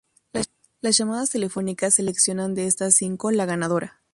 Las llamadas telefónicas seleccionan de estas cinco, la ganadora.